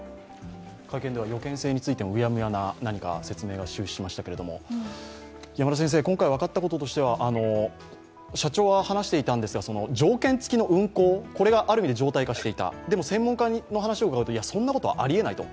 会見では予見性についてもうやむやな説明が、終始しましたけど今回分かったこととしては、社長が話していたんですが、条件付きの運航がある意味で常態化していたでも専門家の話を伺うと、そんなことはありえないと。